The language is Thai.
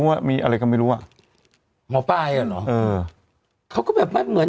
ว่ามีอะไรก็ไม่รู้อ่ะหมอปลายอ่ะเหรอเออเขาก็แบบไม่เหมือน